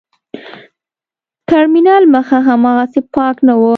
د ټرمینل مخه هاغسې پاکه نه وه.